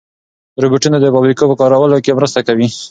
روبوټونه د فابریکو په کارونو کې مرسته کوي.